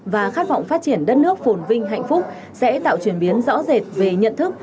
và khát vọng phát triển đất nước phồn vinh hạnh phúc sẽ tạo chuyển biến rõ rệt về nhận thức